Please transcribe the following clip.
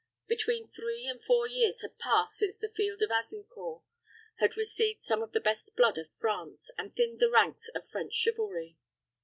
Between three and four years had passed since the field of Azincourt had received some of the best blood of France, and thinned the ranks of French chivalry.